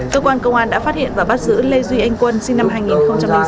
cơ quan công an đã phát hiện và bắt giữ lê duy anh quân sinh năm hai nghìn sáu